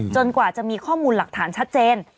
กว่าจะมีข้อมูลหลักฐานชัดเจน